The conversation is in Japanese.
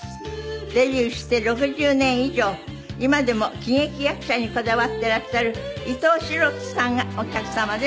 デビューして６０年以上今でも喜劇役者にこだわっていらっしゃる伊東四朗さんがお客様です。